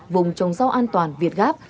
vùng trồng rau an toàn việt gáp